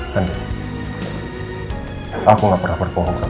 sampai jumpa ga durum nggak